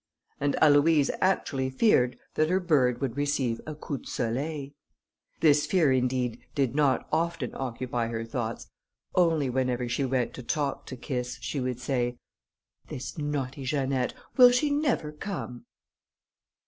And Aloïse actually feared that her bird would receive a coup de soleil. This fear, indeed, did not often occupy her thoughts, only whenever she went to talk to Kiss, she would say, "This naughty Janette, will she never come?"